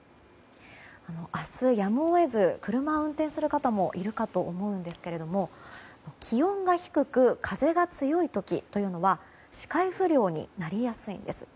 明日やむを得ず車を運転する方もいるかと思うんですけれども気温が低く風が強い時というのは視界不良になりやすいんです。